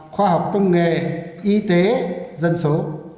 khoa học công nghệ y tế dân số